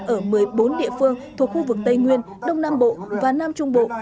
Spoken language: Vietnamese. ở một mươi bốn địa phương thuộc khu vực tây nguyên đông nam bộ và nam trung bộ